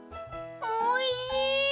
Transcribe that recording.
おいしい！